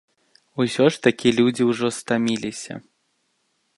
Усё ж такі людзі ўжо стаміліся.